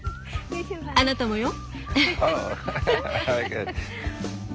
あなたもよ。